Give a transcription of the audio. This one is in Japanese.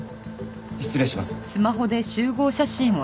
失礼します。